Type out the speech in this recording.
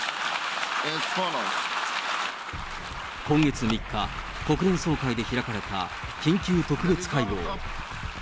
今月３日、国連総会で開かれた緊急特別会合。